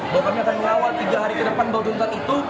bahwa kami akan melawan tiga hari ke depan baljutan itu